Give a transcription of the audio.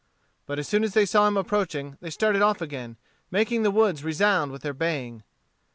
But as soon as they saw him approaching they started off again, making the woods resound with their baying.